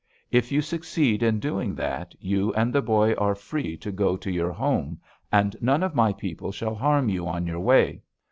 If you succeed in doing that, you and the boy are free to go to your home, and none of my people shall harm you on your way.